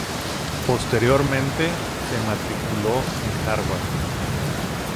Posteriormente, se matriculó en Harvard.